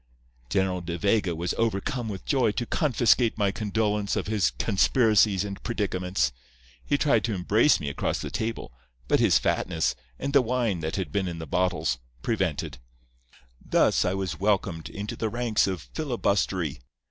"General De Vega was overcome with joy to confiscate my condolence of his conspiracies and predicaments. He tried to embrace me across the table, but his fatness, and the wine that had been in the bottles, prevented. Thus was I welcomed into the ranks of filibustery.